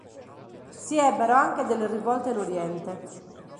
Si ebbero anche delle rivolte in Oriente.